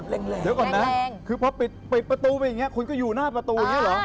แรงคือพอปิดประตูไปอย่างเนี่ยคุณก็อยู่หน้าประตูอย่างเนี่ยเหรอ